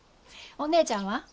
お姉ちゃんは？